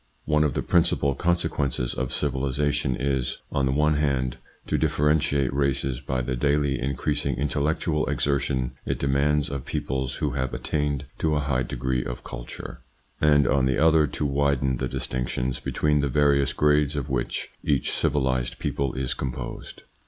One of the principal consequences of civilisation is, on the one hand, to differentiate races by the daily increasing intellectual exertion it demands of peoples who have attained to a high degree of culture, and ITS INFLUENCE ON THEIR EVOLUTION 41 on the other to widen the distinctions between the various grades of which each civilised people is composed.